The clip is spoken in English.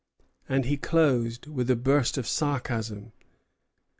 And he closed with a burst of sarcasm.